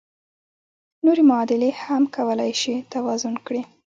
نورې معادلې هم کولای شئ توازن کړئ.